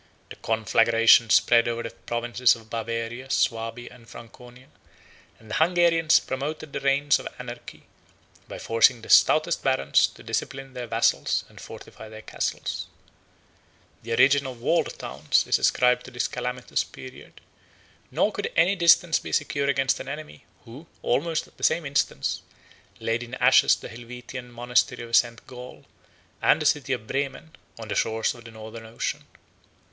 The conflagration spread over the provinces of Bavaria, Swabia, and Franconia; and the Hungarians 31 promoted the reign of anarchy, by forcing the stoutest barons to discipline their vassals and fortify their castles. The origin of walled towns is ascribed to this calamitous period; nor could any distance be secure against an enemy, who, almost at the same instant, laid in ashes the Helvetian monastery of St. Gall, and the city of Bremen, on the shores of the northern ocean.